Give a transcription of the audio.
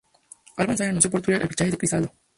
Albans Saints anunció por Twitter el fichaje de Cristaldo.